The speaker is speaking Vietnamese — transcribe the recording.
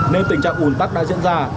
nên tình trạng ủn tắc đã diễn ra